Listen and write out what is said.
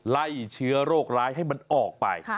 ไล่เชื้อโรคร้ายให้มันออกไป